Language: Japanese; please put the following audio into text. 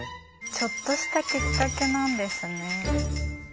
ちょっとしたきっかけなんですね。